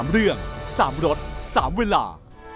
๓เรื่อง๓รถ๓เวลา